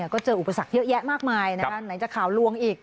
ก็เจออุปสรรคเยอะแยะมากมายนะคะไหนจะข่าวลวงอีก